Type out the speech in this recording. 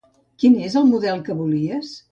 Quin és el model que volies?